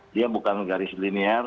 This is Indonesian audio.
dia bukan garis linier